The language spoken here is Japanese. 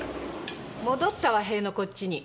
戻ったわ塀のこっちに。